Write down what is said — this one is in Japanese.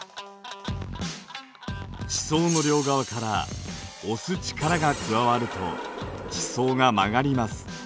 地殻の両側から押す力が加わると地層が曲がります。